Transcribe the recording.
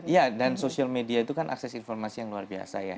iya dan social media itu kan akses informasi yang luar biasa ya